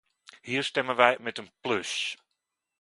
Hier stemmen wij met een plus.